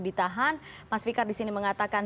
ditahan mas fikar disini mengatakan